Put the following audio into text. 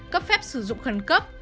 cấp phép sử dụng khẩn cấp